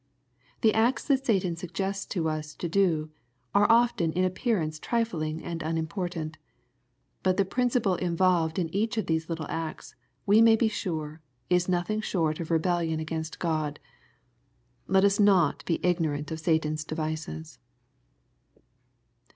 The acts that Satan suggests to us to do, are often in appearance trifling and unimportant. But the principle involved in each of these little acts, we may be sure, is nothing short of rebellion against God. Let us not be ignorant of Satan's devices.